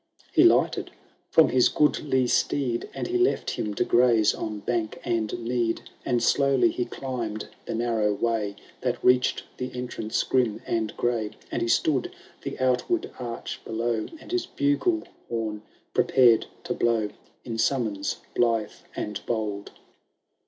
He lighted from his goodly steed. And he left him to graze on bank and mead ; And slowly he climbed the narrow way. That reached the entrance grim and gray. And he stood the outward arch below, And his bugle horn prepared to blow. In summons blithe and bold.